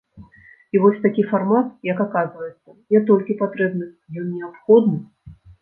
І вось такі фармат, як аказваецца, не толькі патрэбны, ён неабходны.